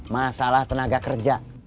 masalah tenaga kerja